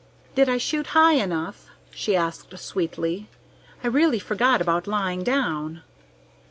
"Did I shoot high enough?" she asked sweetly. "I really forgot about lying down."